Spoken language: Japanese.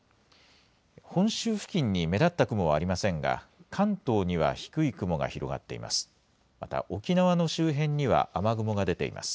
本州付近に目立った雲はありませんが関東には低い雲が広がっています。